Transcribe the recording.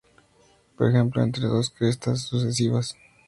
Por ejemplo, entre dos crestas sucesivas.